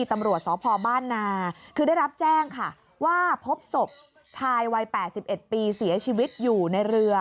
ตำรวจสพบ้านนาคือได้รับแจ้งค่ะว่าพบศพชายวัย๘๑ปีเสียชีวิตอยู่ในเรือ